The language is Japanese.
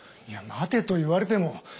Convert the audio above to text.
いや待てと言われても。